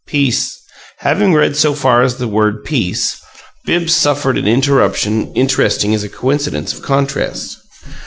Peace Having read so far as the word "peace," Bibbs suffered an interruption interesting as a coincidence of contrast.